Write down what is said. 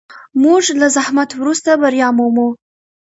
موږ له زحمت وروسته بریا مومو.